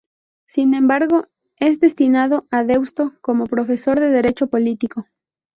Sin embargo, es destinado a Deusto como profesor de Derecho Político.